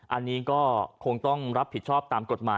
อันนี้ก็คงต้องรับผิดชอบตามกฎหมาย